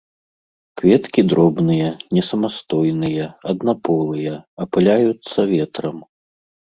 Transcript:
Кветкі дробныя, несамастойныя, аднаполыя, апыляюцца ветрам.